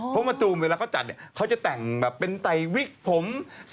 พวกมาตามเวลาเค้าจัดเค้าจะแต่งแบบเป็นไตรกิ๊กผม